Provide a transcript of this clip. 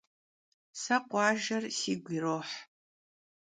Se khuajjer sigu yiroh.